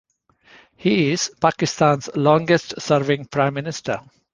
He is Pakistan's longest-serving prime minister.